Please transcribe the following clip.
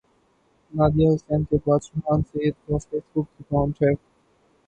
Nadia Hussain کے بعد فرحان سعید کا فیس بک اکانٹ ہیک